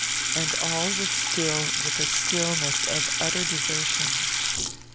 And all was still with the stillness of utter desertion.